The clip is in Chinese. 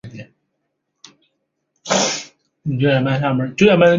现今亦列为中华民国国定古迹。